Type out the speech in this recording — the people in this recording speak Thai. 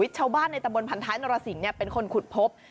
ชาวบ้านในตะบนพันท้ายนรสิงศ์เป็นคนขุดพบ